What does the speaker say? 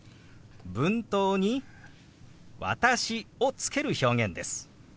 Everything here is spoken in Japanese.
文頭に「私」をつける表現です。